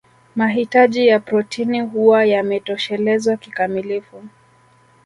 Mahitaji ya protini huwa yametoshelezwa kikamilifu